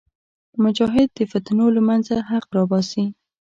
مجاهد د فتنو له منځه حق راوباسي.